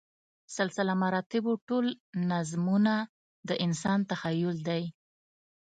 سلسله مراتبو ټول نظمونه د انسان تخیل دی.